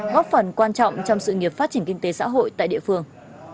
góp phần quan trọng trong sự nghiệp phát triển kinh tế xã hội tại địa phương